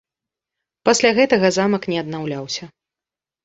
Пасля гэтага замак не аднаўляўся.